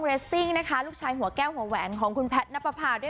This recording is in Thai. เรสซิ่งนะคะลูกชายหัวแก้วหัวแหวนของคุณแพทย์นับประพาด้วย